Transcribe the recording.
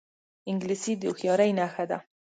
انګلیسي د هوښیارۍ نښه ده